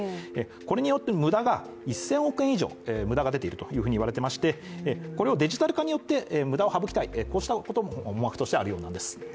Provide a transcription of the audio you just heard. これによって無駄が１０００億円以上出ているといわれてましてこれをデジタル化によって無駄を省きたいということも思惑としてあるようなんです。